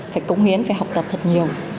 phải cống hiến phải học tập thật nhiều